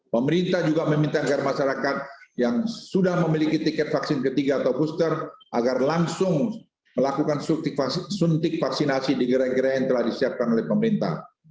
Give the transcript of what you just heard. pemerintah juga meminta agar masyarakat yang sudah memiliki tiket vaksin ketiga atau booster agar langsung melakukan suntik vaksinasi di gerai gerai yang telah disiapkan oleh pemerintah